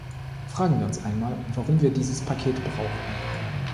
Fragen wir uns einmal, warum wir dieses Paket brauchten.